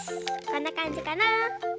こんなかんじかな。